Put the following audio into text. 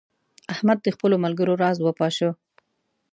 احمد د خپلو ملګرو راز وپاشه.